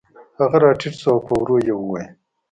هغه راټیټ شو او په ورو یې وویل